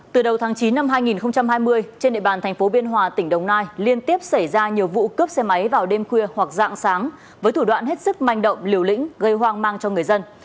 từ đầu tháng chín năm hai nghìn hai mươi trên địa bàn thành phố biên hòa tỉnh đồng nai liên tiếp xảy ra nhiều vụ cướp xe máy vào đêm khuya hoặc dạng sáng với thủ đoạn hết sức manh động liều lĩnh gây hoang mang cho người dân